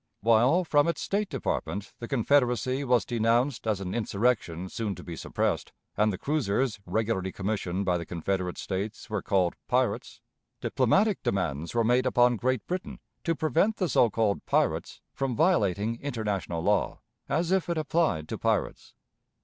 While, from its State Department, the Confederacy was denounced as an insurrection soon to be suppressed, and the cruisers, regularly commissioned by the Confederate States, were called "pirates," diplomatic demands were made upon Great Britain to prevent the so called "pirates" from violating international law, as if it applied to pirates.